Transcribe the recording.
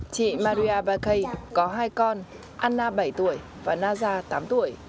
chị maria bake có hai con anna bảy tuổi và naza tám tuổi